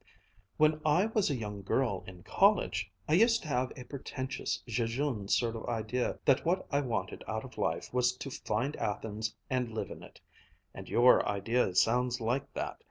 "When I was a young girl in college, I used to have a pretentious, jejune sort of idea that what I wanted out of life was to find Athens and live in it and your idea sounds like that.